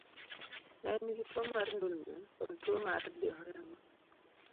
Ne en gi tuwo mar ndulme kod tuwo mar diewo remo.